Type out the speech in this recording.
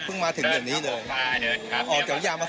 เพิ่งมาถึงแบบนี้เลยค่ะเดินค่ะเดินครับอ๋อเดี๋ยวยามา